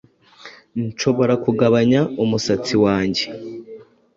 Nshobora kugabanya umusatsi wanjye